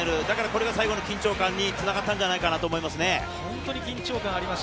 これが最後の緊張感につながったんじゃないかなと思いますね。